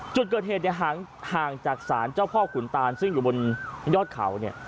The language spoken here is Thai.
จุดเกิดเหตุเนี่ยห่างจากศาลเจ้าพ่อขุนตานซึ่งอยู่บนยอดเขาเนี่ย